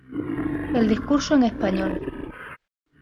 El discurso en español.